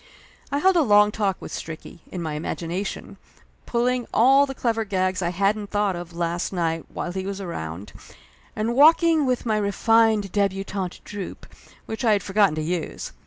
I held a long talk with Stricky, in my imagination, pulling all the clever gags I hadn't thought of last night while he was around, and walking with my re fined debutante droop, which I had forgotten to use.